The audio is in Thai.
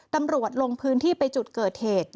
ตำรวจลงพื้นที่ไปจุดเกิดเหตุ